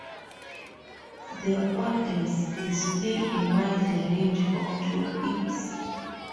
The "Odes" display a wide range of topics.